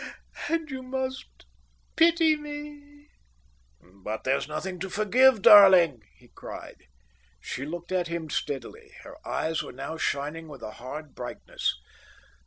And you must pity me." "But there's nothing to forgive, darling," he cried. She looked at him steadily. Her eyes now were shining with a hard brightness.